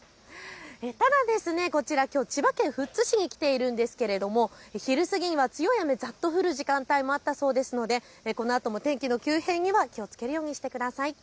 ただこちら、きょう千葉県富津市に来ているんですが、昼過ぎには強い雨、ざっと降る時間帯もあったそうですのでこのあとも天気の急変には気をつけるようにしてください。